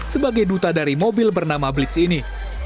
sebagai duta dari mobil bernama blix ini